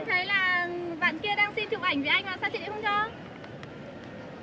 em thấy là bạn kia đang xin chụp ảnh với anh mà sao chị lại không cho